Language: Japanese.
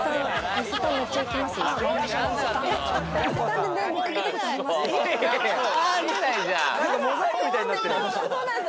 伊勢丹めっちゃ行きます。